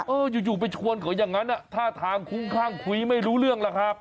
เอออยู่ไปชวนเขาอย่างนั้นท่าทางคุ้มข้างคุยไม่รู้เรื่องล่ะครับ